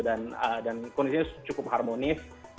dan kondisinya cukup harmonis